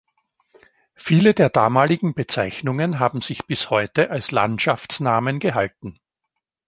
Viele der damaligen Bezeichnungen haben sich bis heute als Landschaftsnamen gehalten.